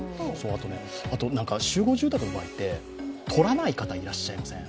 あと、集合住宅の場合って取らない方、いらっしゃいません？